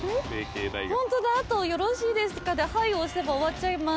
ホントだあと「よろしいですか？」で「はい」押せば終わっちゃいます